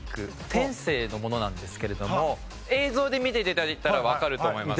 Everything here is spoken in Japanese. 天性のものなんですけれども映像で見て頂いたらわかると思います。